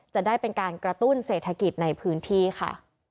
จะได้เป็นการกระตุ้นเศรษฐกิจในพื้นที่ค่ะ